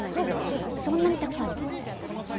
けれど、そんなにたくさんできません。